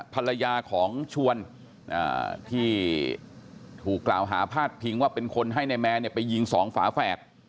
ภรรยาของชวนที่ถูกกล่าวหาพาดพิงว่าเป็นคนให้นายแมนไปยิงสองฝาแฝด